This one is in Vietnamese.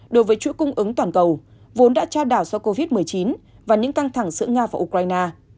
đối với chuỗi cung ứng toàn cầu vốn đã trao đảo do covid một mươi chín và những căng thẳng giữa nga và ukraine